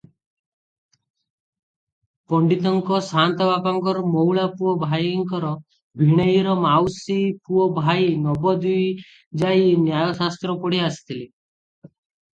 ପଣ୍ତିତଙ୍କ ସାଆନ୍ତବାପାଙ୍କର ମଉଳା ପୁଅ ଭାଇଙ୍କର ଭିଣୋଇର ମାଉସୀପୁଅ ଭାଇ ନବଦ୍ୱୀପ ଯାଇ ନ୍ୟାୟଶାସ୍ତ୍ର ପଢ଼ି ଆସିଥିଲେ ।